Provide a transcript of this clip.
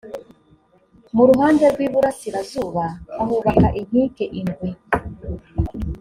mu ruhande rw’iburasirazuba ahubaka inkike indwi,